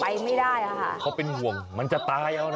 ไปไม่ได้อ่ะค่ะเขาเป็นห่วงมันจะตายเอานะ